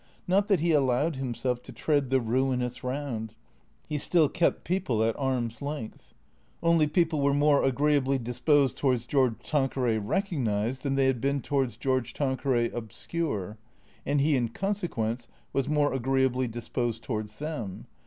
Not that he allowed himself to tread the ruinous round. He still kept people at arm's length. Only people were more agreeably dis posed towards George Tanqueray recognized than they had been towards George Tanqueray obscure, and he in consequence was more agreeably disposed towards them.